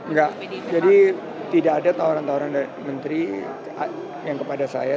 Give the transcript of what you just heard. enggak jadi tidak ada tawaran tawaran dari menteri yang kepada saya